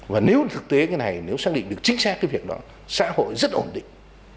và nếu thực tế cái này nếu xác định được chính xác cái việc đó xã hội rất ổn định